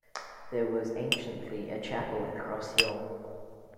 There was anciently a chapel at Cross hill.